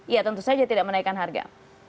ya tentu saja tidak menaikkan harga